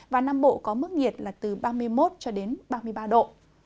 và nam bộ có mức nhiệt từ ba mươi một ba mươi ba độ